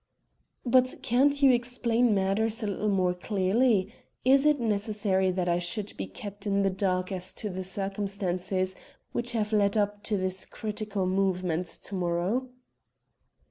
"But can't you explain matters a little more clearly? Is it necessary that I should be kept in the dark as to the circumstances which have led up to this critical movement to morrow?"